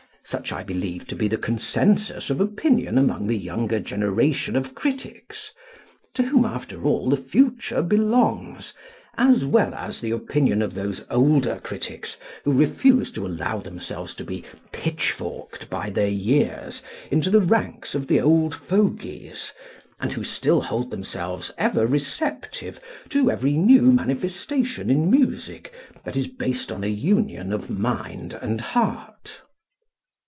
Such I believe to be the consensus of opinion among the younger generation of critics, to whom, after all, the future belongs, as well as the opinion of those older critics who refuse to allow themselves to be pitchforked by their years into the ranks of the old fogies and who still hold themselves ever receptive to every new manifestation in music that is based on a union of mind and heart.